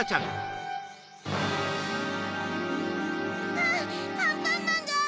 あっアンパンマンが！